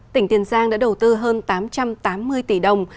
tỉnh tiền giang đã đầu tư hơn tám trăm tám mươi tỷ đồng